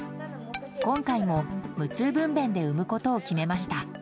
今回も無痛分娩で産むことを決めました。